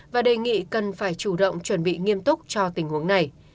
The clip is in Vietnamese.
và đề nghị cần phải chủ động chuẩn bị nghiêm túc cho tình huống này